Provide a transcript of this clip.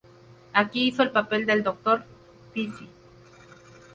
Aquí hizo el papel del Dr. Pesce.